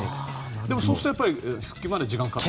でもそうすると復帰まで時間がかかる。